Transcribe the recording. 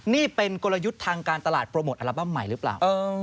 นี่เป็นกลยุทธ์ทางการตลาดโปรโมทอัลบั้มใหม่หรือเปล่า